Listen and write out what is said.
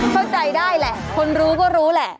เข้าใจได้แหละคนรู้ก็รู้แหละ